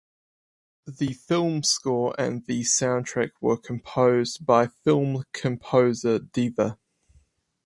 The film score and the soundtrack were composed by film composer Deva.